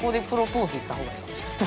いった方がいいかもしれない。